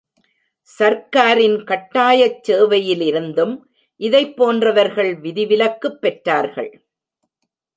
சர்க்காரின் கட்டாயச் சேவையிலிருந்தும் இதைப்போன்றவர்கள் விதிவிலக்கு பெற்றார்கள்.